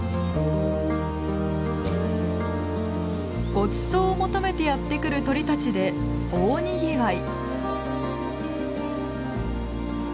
ごちそうを求めてやって来る鳥たちで大にぎわい。